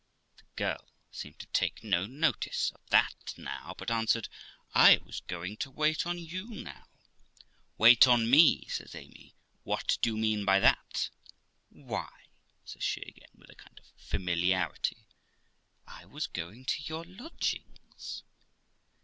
The girl seemed to take no notice of that now, but answered, 'I was going to wait on you now.' 'Wait on me!' says Amy; 'what do you mean by that?' 'Why', says she again, with a kind of familiarity, 'I was going to your lodgings.